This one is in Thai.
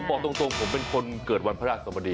บอกตรงผมเป็นคนเกิดวันพระราชสมดี